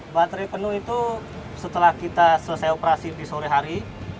baterai penuh itu setelah kita selesai operasi di sore hari